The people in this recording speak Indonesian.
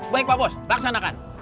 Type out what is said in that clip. baik pak bos laksanakan